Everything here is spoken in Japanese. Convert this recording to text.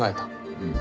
うん。